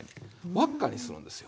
輪っかにするんですよ。